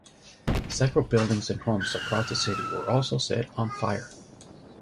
Several buildings and homes across the city were also set on fire.